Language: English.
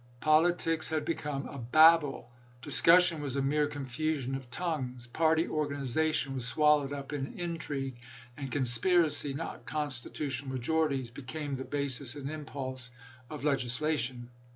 Politics had become a Babel. Discussion was a mere confusion of tongues. Party organization was swallowed up in intrigue; and conspiracy, not constitutional majorities, became the basis and impulse of legislation.